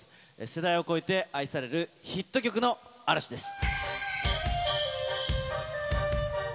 世代を超えて愛されるヒット曲の嵐です。